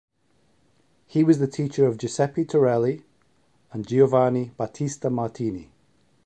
He was the teacher of Giuseppe Torelli and Giovanni Battista Martini.